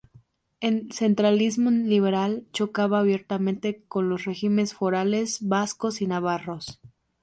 El centralismo liberal chocaba abiertamente con los regímenes forales vascos y navarros.